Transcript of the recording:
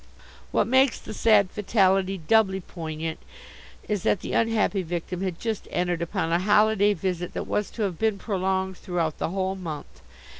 "What makes the sad fatality doubly poignant is that the unhappy victim had just entered upon a holiday visit that was to have been prolonged throughout the whole month.